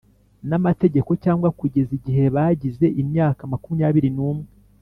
n'amategeko cyangwa kugeza igihe bagize imyaka makumyabiri n'umwe.